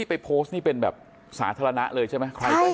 ไปโพสต์นี่เป็นแบบสาธารณะเลยใช่ไหมใครก็เห็นได้